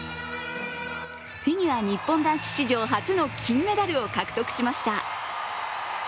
フィギュア日本男子史上初の金メダルを獲得しました。